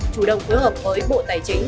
chủ động phối hợp với bộ tài chính